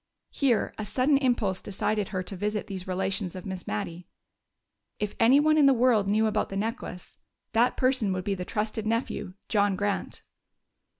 Here a sudden impulse decided her to visit these relations of Miss Mattie. If anyone in the world knew about the necklace, that person would be the trusted nephew, John Grant.